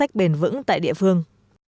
và thu bền vững tại địa phương